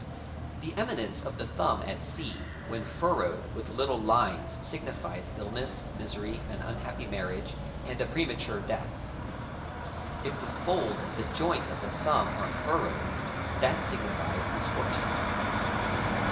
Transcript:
The eminence of the thumb at C when furrowed with little lines signifies illness, misery, an unhappy marriage, and ¢ premature death. If the folds at the joimt of the thumb are furrowed that signifies misfor tune.